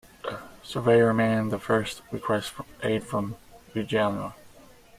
Suryavarman the First requested aid from Rajendra.